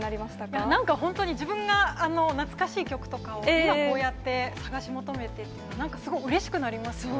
いや、なんか本当に、自分が懐かしい曲とかを、今、こうやって探し求めているって、なんかすごいうれしくなりますよね。